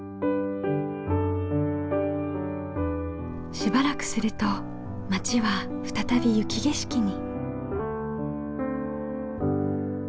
しばらくすると町は再び雪景色に。